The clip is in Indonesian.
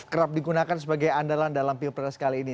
kerap digunakan sebagai andalan dalam pilpres kali ini